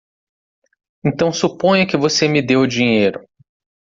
Então suponha que você me dê o dinheiro.